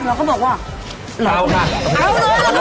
เราก็บอกว่าเอาค่ะเอาเลยเอาเลย